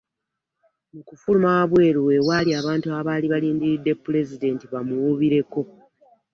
Mu kufuluma wabweru we waali abantu abaali balindiridde Pulezidenti bamuwuubireko.